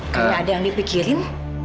kan ada yang dipikirin